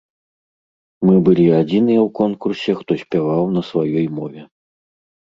Мы былі адзіныя ў конкурсе, хто спяваў на сваёй мове.